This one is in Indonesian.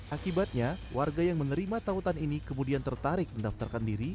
akibatnya warga yang menerima tautan ini kemudian tertarik mendaftarkan diri